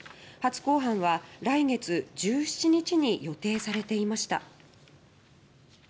初公判は来月１７日に予定されていました。